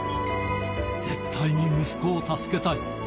絶対に息子を助けたい。